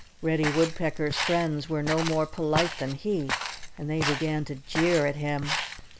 Reddy Woodpecker's friends were no more polite than he. And they began to jeer at him.